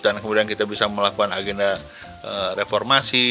dan kemudian kita bisa melakukan agenda reformasi